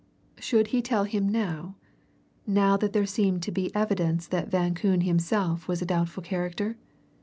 Should he tell him now now that there seemed to be evidence that Van Koon himself was a doubtful character?